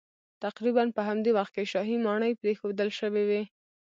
تقریبا په همدې وخت کې شاهي ماڼۍ پرېښودل شوې وې